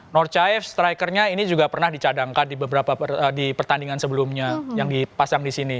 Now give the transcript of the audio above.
nort chief strikernya ini juga pernah dicadangkan di pertandingan sebelumnya yang dipasang di sini